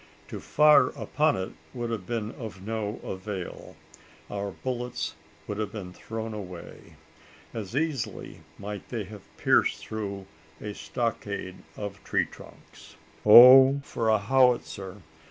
To fire upon it would have been of no avail: our bullets would have been thrown away. As easily might they have pierced through a stockade of tree trunks. Oh! for a howitzer!